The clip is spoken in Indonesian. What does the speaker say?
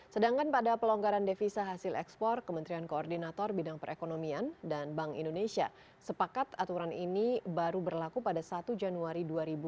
sedangkan pada pelonggaran devisa hasil ekspor kementerian koordinator bidang perekonomian dan bank indonesia sepakat aturan ini baru berlaku pada satu januari dua ribu dua puluh